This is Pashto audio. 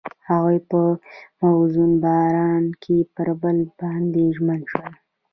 هغوی په موزون باران کې پر بل باندې ژمن شول.